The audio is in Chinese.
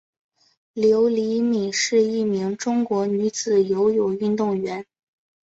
刘黎敏是一名中国女子游泳运动员。